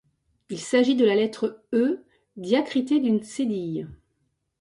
Il s'agit de la lettre E diacritée d'une cédille.